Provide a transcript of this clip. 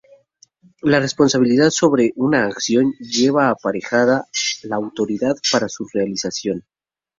La responsabilidad sobre una acción lleva aparejada la autoridad para su realización.